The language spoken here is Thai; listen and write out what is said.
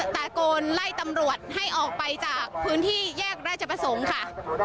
ตะโกนไล่ตำรวจให้ออกไปจากพื้นที่แยกราชประสงค์ค่ะ